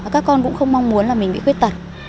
các con cũng không mong muốn là mình bị khuyết tật